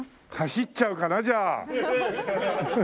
走っちゃうかなじゃあ。